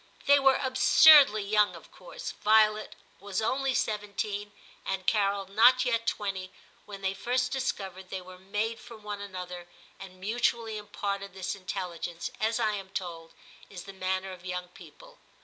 They were absurdly young of course. Violet was only seventeen and Carol not yet twenty when they first discovered they were made for one another, and mutually imparted this intelligence, as, I am told, is the manner of young people.